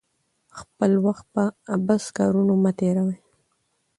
خپل وخت په عبث کارونو مه تیروئ.